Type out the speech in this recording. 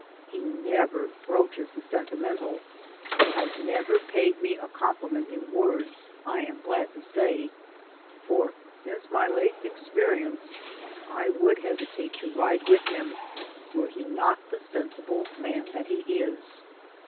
He never broaches the sentimental, has never paid me a compliment in words I am glad to say, for since my late experience I would hesitate to ride with him were he not the sen sible man that he is.